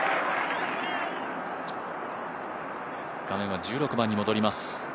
画面は１６番に戻ります。